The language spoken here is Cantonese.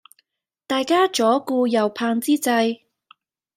大家左顧右盼之際